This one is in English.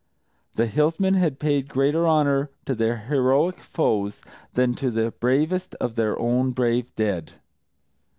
_ The Hillsmen had paid greater honour to their heroic foes than to the bravest of their own brave dead.